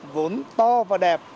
vốn to và đẹp